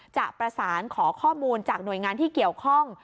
จะประสานขอข้อมูลจากหน่วยงานที่เกี่ยวข้อง